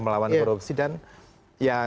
melawan korupsi dan ya